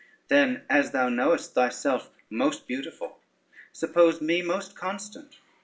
Then, as thou knowest thyself most beautiful, suppose me most constant.